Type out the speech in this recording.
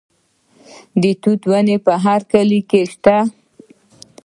د توت ونې په هر کلي کې شته.